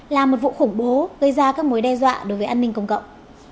là một vụ khủng bố gây ra các mối đe dọa đối với an ninh công cộng